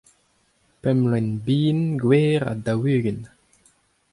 pemp loen bihan gwer ha daou-ugent.